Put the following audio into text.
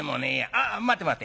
あ待て待て。